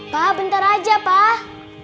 pak bentar aja pak